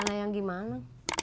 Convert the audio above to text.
beli celana yang gimana